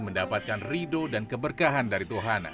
mendapatkan rido dan keberkahan dari tuhan